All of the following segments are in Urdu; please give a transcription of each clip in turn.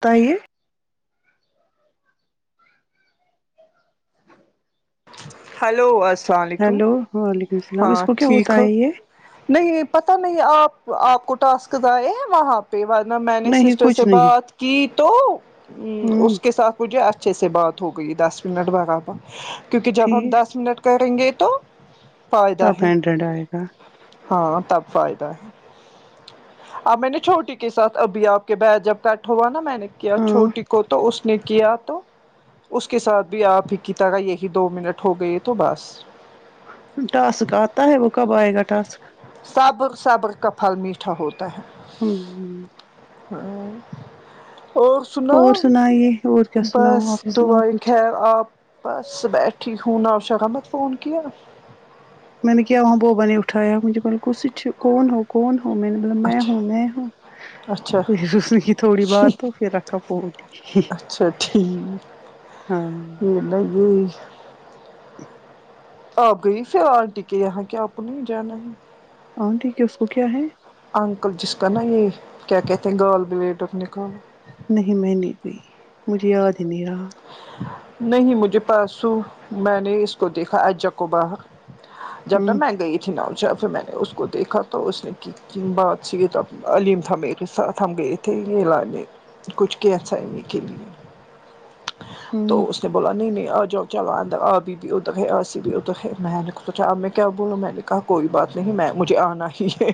بتایے ہلو السلام علیکم ہیلو وعلیکم السلام ہاں اس کو کیا ٹھیک ہوتا ہو ہے یہ نہیں نہیں پتہ نہیں آپ آپ کو ٹاسکز آئے ہیں وہاں اس کے بعد میں نے نہیں سسٹر کچھ سے نہیں بات کی تو ہوں اس کے ساتھ مج اچھے سے بات ہو گئی دس منٹ برابر کیونکہ ہم ٹھیک دس منٹ کریں گے تو فائدہ تب ہے ہینڈریڈ آئے گا ہاں تب فائدہ ہے اب میں نے چھوٹی کے ساتھ ابھی آپ کے بیگ جب کٹ ہوا نا میں کیا چھوٹی ہاں کو تو اس نے کیا تو اس کے ساتھ بھی آپ ہیتا گا یہی کہ دو منٹ ہو گئی تو بس ٹاسک آتا ہے وہ کب آئے گا ٹاسک صبر صبر کا پھل میٹھا ہوتا ہے ہوں ہ ہاں اور سنا اور و سنائیے اور کیا سناؤ بس آپ ہی سناؤ دعا ے کچھ خیر آپ صب بیٹھی ہو نا ش ححمد فون کی [unintelligible] میں نے کیا وہاں بوبا نے اٹھایا مجھے بولا کچھ کون ہو کون ہو میں نے مطلب میں ہوں اچھا میں ہوں اچھا پھر اس نے کی تھوڑی بات تو پھر رکھا فون اچھا ہاں یہھر ل گ [unintelligible] آپ گئی پھر آنٹی کی یہاں کہ آپ نہیں جانا ہی ہاں ٹھیک ہے اس کو کیا ہے انکل جس کا نا یہ کیا کہتے ہیں گال بلیڈر نکالا نہیں میں نہیں گئی مجھے یاد ہی نہیں رہا نہیں مجھے پرسوں میں نے اس کو دیکھا اجاکباہ جب تب ہمم مہنگا ئی ج ن کیفے میں نے اس کو دیکھا تو اس نے بات کی تو علیم تھا میرے ساتھ ہم گئے تھے تھ یہ لانے کچھ کیسنے کے لیے تو ہمم اس اس نے بولا نہیں نہیں آ جاؤ چلو ابھی بھی ا تک ہے آسی بھی ا تک ہے میں نے سوچا اب میں کیا بولوں میں نے کہا کوئی بات نہیں میں مجھے آنا ہی ہے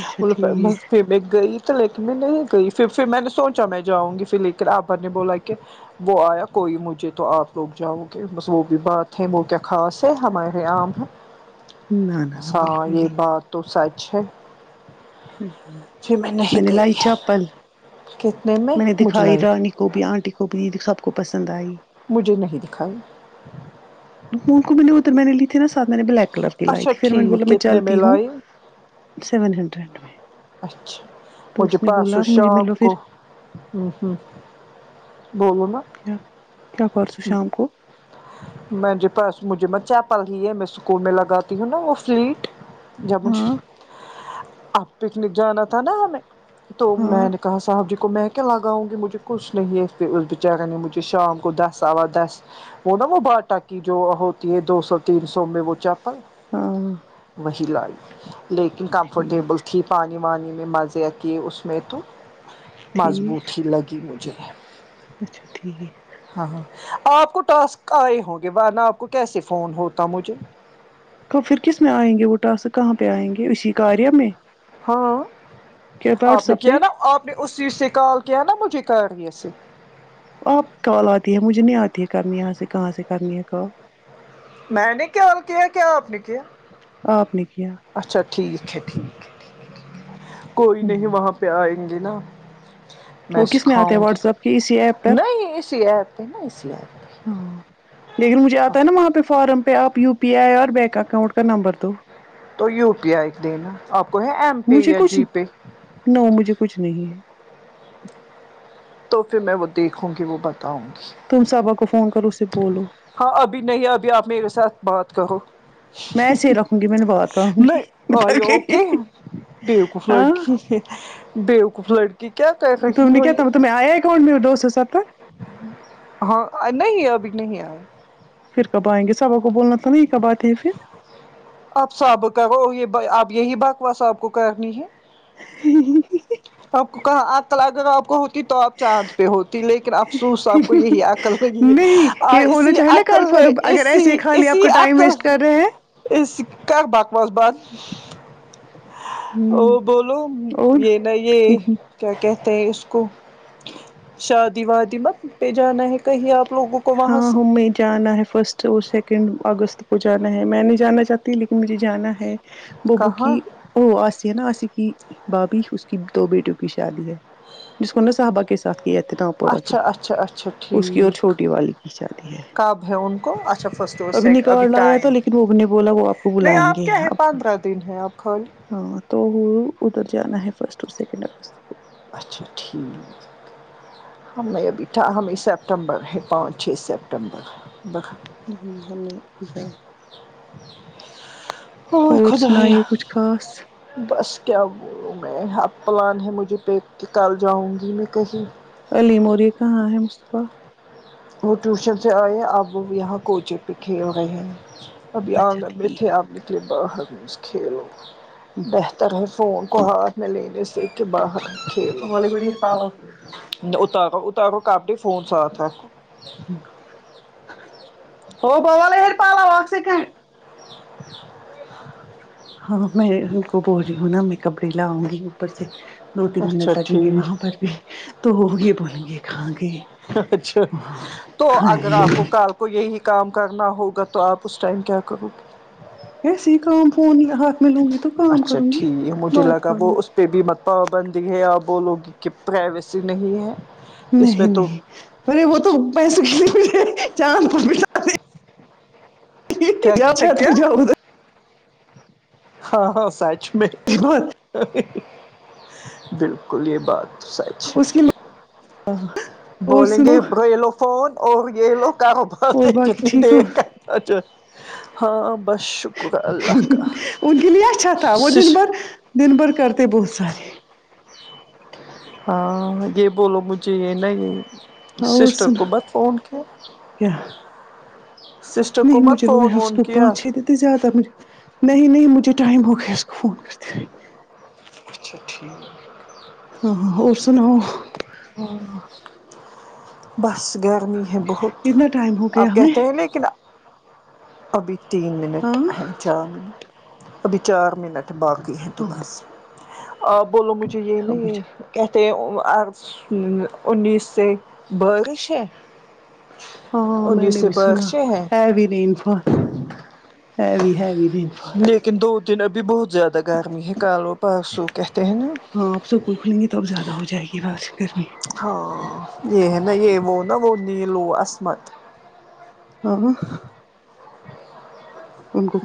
اچھا ٹھیک ہے، فیمس پیم میں گئی تو لیکن میں نہیں گئی پھر پھر میں نے سوچا میں جاؤں گی پھر اقرا آپا نے بولا کہ وہ آیا کوئی مجھے تو آپ لوگ جاؤ گے بس وہ بھی بات ہے وہ کیا خاص ہے ہمارے یہاں عام ہے نہ نہ نہ اچھا بالکل یہ بات تو سچ ہے پھر میں نہیں نے لائی گئی چپل کتنے میں نے مجھ دکھائی لائی رانی کو بھی آنٹی کو بھی سب کو پسند آئی مجھے نہیں دکھائی مون کو میں نے ادھر میں نے لی تھی ساتھ میں نے بلیک کلر کی لائی اچھا تھی پھر میں نے ٹھیک بولا میں کتنے چلتی ہوں لائی سیون ہنڈریڈ میں اچھا تو مجھے اس نے بولا پرسوں مجھے شام ملو کو پھر ہوں ہوں بولو نا کیا کیا پرسوں شام کو میں جو پرسوں مجھے میں چپل لی ہے میں اسکول میں لگاتی ہوں نا وہ سلیٹ جب مجھ ہاں پکنک جانا تھا نا ہمیں تو ہاں میں نے کہا صاحب جی کو میں کیا لگاؤں گی مجھے کچھ نہیں اس پے اس بیچارے نے یہ مجھے شام کو دس سوا دس وہ نا وہ باٹا کی جو ہوتی ہے دو سو تین سو میں وہ چپ ل ہاں وہی لائی لیکن کمفرٹیبل ٹھیک کی پانی وانی میں مزے آتی ہے اس میں تو مضبوط ٹھیک ہی لگی مجھے اچھا ٹھیک ہے ہاں ہاں آپ کو ٹاسک آئے ہوں گے ورنہ آپ کو کیسے فون ہوتا مجھے تو پھر کس میں آئیں گے وہ ٹاسک کہاں پہ آئیں گے اسی کاریہ میں ہاں کیا آپ واٹس نے ایپ پہ کیا نا آپ نے اس چیز سے کال کیا نا مجھے کاریہ سے آپ کال آتی ہے مجھے نہیں آتی ہے کرنی یہاں سے کہاں سے کرنی ہے کال میں نے کال کیا کے آپ نے کیا آپ نے کیا اچھا ٹھیک ہے ٹھیک ہے ٹھیک ہے کوئی نہیں ہوں وہاں پہ آئیں گے نا میں وہ کس آتے سکھاؤں ہیں گی واٹس ایپ کے اسی ایپ پر نہیں اسی ایپ میں ہے نا اسی ایپ ہاں لیکن مجھے آتا ہے نا وہاں پہ فارم پہ آپ یو پی آئی اور بیک اپ تو یو پی آئی دینا آپ کو ہے ایم پے مجھے یا کچھ جی پے نو مجھے کچھ نہیں ہے تو پھر میں وہ دیکھوں گی وہ بتاؤں گی تم صبا کو فون کرو اسے بولو ہاں ابھی نہیں ابھی آپ میرے ساتھ بات کرو میں ایسے ہی رکھوں گی میں نے بات کروں گی نہیں آر بتا یو گئی اوکے بوقوف ہاں لڑکی بیوقوف لڑکی کیا کررہی ہو یہ کون میرا دوست اسد نا ہاں نہیں ابھی نہیں آئے پھر کب آئیں گے صبا کو بولنا تھا نا یہ کب اتی ہے پھر آپ سب کہو یہ ب آپ یہی بات واں سب کو کرنی ہے پھر آپ کو کہاں آپ طلاق کہاں آپ کو ہوئی نہیں تو آپ چاند پہ ہوتی لیکن افسوس آپ کو یہی عقل لگی نہیں ہے یہ ہونا اسی چاہیے نا کار عقل نے فارم اگر ایسے اسی ہی خالی آپ اسی کا ٹائم عقل ویسٹ کر رہے اسی کر بکواس بند ہیں اور بولو اور یہ نہ یہ کیا کہتے ہیں اس کو شادی وادی مت پہ جانا ہے کہیں آپ لوگوں کو وہاں ہاں سے ہمیں جانا ہے فرسٹ تو سیکنڈ اگست کو جانا ہے میں نہیں جانا چاہتی لیکن مجھے جانا ہے ببو کہاں کی او آسی ہے نا آسی کی بھابھی اس کی دو بیٹوں کی شادی ہے جس کو نے صحبہ کے ساتھ کیا تھے تامپورہ کے اچھا اچھا اچھا اس کی اور چھوٹی والی کی شادی ہے اب بھیون کو اچھا فرسٹ ا سے نکاح ابھی لایا تھا ٹائم ہے لیکن وہ نے بولا وہ آپ کو نہیں بلائیں آپ گے کیا ہے پندرہ دن ہیں آپ خالی ہاں تو وہ ادھر جانا ہے فرسٹ اور سیکنڈ آگست کو اچھا ٹھیک ہم میں ابھی تھا ہمیں سپتمبر ہے پانچ چھ سپتمبر ہم ہم هم نے [unintelligible] اور خدایا سنائیے کچھ خاص بس کیا بولو میں اب پلان ہے مجھے پالن کے کل جاؤں گی میں کہیں علیم اور یہ کہاں ہے مصطفی وہ ٹیوشن سے آئے اب وہ یہاں کوچے پہ کھیل رہے ہیں ابھی آنگن اچھا میں بیھٹے تھے ٹھیک اب نکلے باہر بس کھیلو بہتر ہے فون کو ہاتھ میں لینے سے کہ باہر کھیلو اتارو اتارو کاپی فون ساتھ ہے ہو بوال ہییر پہالواگ سے خل [unintelligible] [inaudible] ہاں میں ان کو بول رہی ہوں نا میں کپڑے لا آؤں گی اوپر سے دو تین اچھا منٹ لگیں گے ٹھیک وہاں پر بھی تو ہوگے بولیں گے کہاں گئی اچھا تو اگر آپ کو کل کو یہی کام کرنا ہوگا تو آپ اس ٹائم کیا کرو گے ایسے ہی کام فون ہاتھ میںلوں گی تو کام اچھا کروں گی ٹھیک مجھے بات لگا کروں وہ گی اس پہ بھی مت پابندی ہے اور بولوگی کہ پرائیویسی نہیں ہے اس میں نہیں تو نہیں ارے وہ تو پیسوں کنے مٹے چاند پر مٹے کیا جا کیا چت پے کیا جاؤ ادھر ہاں ہاں سچ میں کیوں مت بالکل یہ بات سچ ہے اسی میں ہ بولیں گے برو یہ لو فون اور یہ لو کرو اور باتیں باقی کتنی ٹھیک ہو دیر تک اچھا ہاں اب بس شکر اللہ کا ان کے لیے اچھا تھا وہ دن بھر دن بھر کرتے بہت سارے ہاں یہ بولو مجھے یہ نہیں ہے اور سسٹر کو سنا بت فون کیا کیا سسٹر نہیں کو مت مجھے ہو فون گیا اس وون کو کیا پانچ چھ دیتے زیادہ مجھے نہیں نہیں مجھے ٹائم ہو گیا اس کو فون کرتے اچھا ٹھیک ہاں ہاں اور سناؤ بس گیا کمی ہے بہت کتنا ٹائم ہو گیا آپ ہمیں کہتے ہیں لیکن ابھی تین منٹ ہاں ہیں چار منٹ ابھی چار منٹ باقی تو ہاں بس آپ بولو مجھے یہ ابھی نہیں کہتے ہیں آ سل انیس سے بریش ہے ہاں میں انیس نے سے بھی سنا بارشیں ہیں ہےو rainfall heavy heavy rainfall لیکن دو دن ابھی بہت زیادہ گرمی ہے کال پارسو کہتے ہیں نا ہاں آپ اسکول کھلیں گے تو اب زیادہ ہو جائے گی بس گرمی ہاں یہ ہے نا یہ وہ نا وہ نیلو عصمت آہاں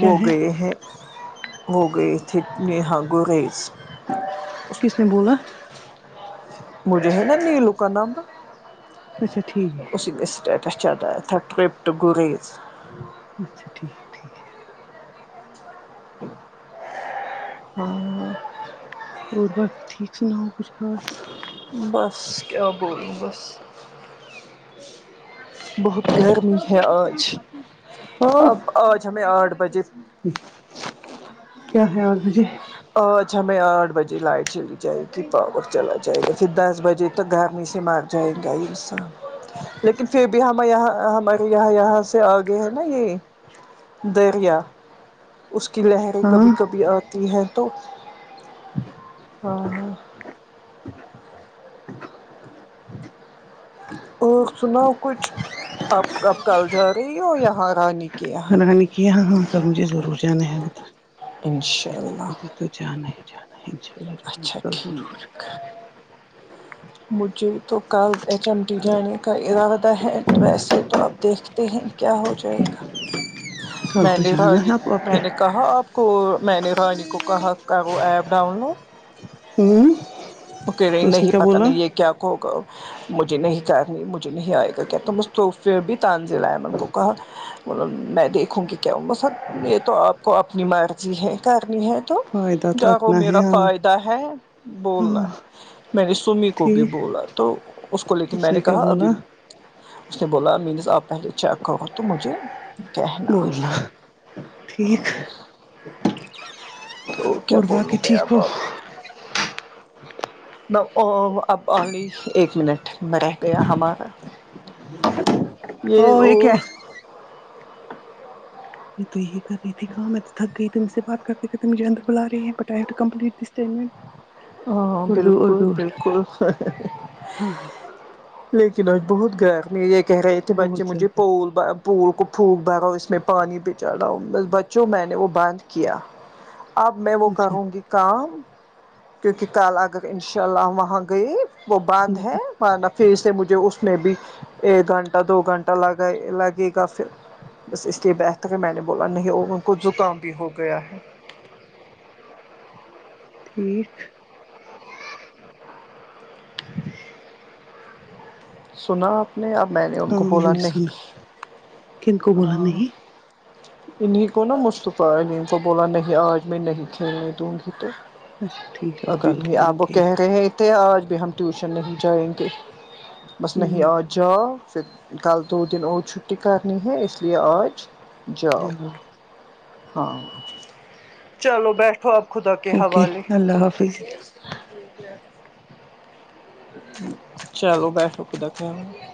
کیا وہ ہے گئے ہیں ہو گئی تھے نیہا گوریز کس نے بولا مجھے ہے نا نیلو کا نام اچھا ٹھیک ہے اسی میں اسٹیٹس چل رہا ہے تھرڈ ٹرپ ٹو گریز اچھا ٹھیک ٹھیک امم اور باقی ٹھیک سناؤ کچھ خاص بس کیا بولوں بس بہت گرمی ہے آج ہو اب آج ہمیں آٹھ بجے کیا ہے آٹھ بجے آج ہمیں آٹھ بجے لائٹ چلی جائے گی کہ پاور چلا جائے گا پھر دس بجے تو گرمی سے مار جائے گا انسان لیکن پھر بھی ہم یہاں ہمارے یہاں یہاں سے آگے ہے نا یہ دریا اس کی لہریں کبھی ہاں کبھی آتی ہیں تو ہاں اور سناؤ کچھ اب اب کل جا رہی ہو یہاں رانی کے یہاں راانی کے یہاں ہاں مجھے ضرور جانے ہے انشاء اللہ تو جانا ہی جانا ہے اللہ جاؤں گی اچھا کل ضرور ٹھیک مجھے تو کل ایچ ایم ٹی جانے کا ارادہ ہے ویسے تو آپ دیکھتے ہیں کیا ہو جائے کل میں تو نے جانا رانی ہے آپ آپ میں کے نے کہا آپ کو میں نے رانی کو کہا کا وہ ایپ ڈاؤن لوڈ امم کہ رہے نہیں پتہ نہیں یہ کیا کہگا مجھے نہیں کرنی مجھے نہیں آئے گا کیا تو مف بھی تانزیل امن کو کہا میں دیکھوں گی کیاوہ ںسب یہ تو آپ کو اپنی مرضی ہے کرنی ہے تو فائدہ تو کیا وہ اپنا میرا ہے ہاں فائدہ ہے بولنا ہاں میں نے سمی کو بھی ٹھیک بولا تو اس کو لے کے میں نے کہا ابھی اس نے بولا مینس آپ پہلے چیک کرو تو مجھے کہنا بولنا ٹھیک ہاں تو کیا اور بولوں باقی میں ٹھیک اب ہو آپکو میں وہ اب آلی ایک منٹ میں رہ گیا ہمارا یہ او کیا اور تو ہی کری تھی کام ہے تو تھک گئی تو سے بات کرتے مجھے اندر بلارہی ہیں بٹ آںیڈ کمپلیٹسٹ ہاں بالکل بالکل صحیح ہاں لیکن آج بہت گر می ہے یہ کہہ رہے تھے بچے بہت مجھے زیادہ پول بن پھول کو پھونک بھرا اس میں پانی پہ چڑاؤ بس بچوں میں نے وہ بند کیا اب میں وہ اچھا کروں گی کام کیونکہ کال آگر ان شاء اللہ وہاں گئی وہ باند ہے مانا پھر سے مجھے اس میں بھی ایک گھنٹہ دو گھنٹہ لگائے لگے گا پھر بس اس لیے بہتر میں نے بولا نہیں ان کو زکام بھی ہو گیا ہے ٹھیک سنا آپ نے اب میں نے ان ہاں کو میں بولا نے سنا نہیں کن کو بولا ہاں نہیں انہیں کو نا مصطفی علیم کو بولا نہیں آج میں نہیں کھیلنے دوں گی تو اچھا ٹھیک آپ ابھی کل نہیں کھیلیں آپ وہ گے کہہ رہیں تے آج بھی ہم ٹیوشن نہیں جائیں گے بس نہیں ہ آج جاؤ پھر کل دو دن اور چھٹی کرنی ہے اس لیے آج جاؤ ہاں چلو بیٹھ خواب خدا کے اوکے حوالے اللہ حافظ چلو بیٹھو خدا کہ حوالے